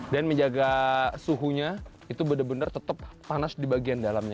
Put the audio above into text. dan menjaga suhunya itu benar benar tetap panas di bagian dalamnya